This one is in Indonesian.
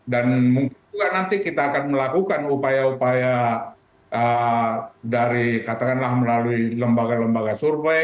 dan mungkin juga nanti kita akan melakukan upaya upaya dari katakanlah melalui lembaga lembaga surga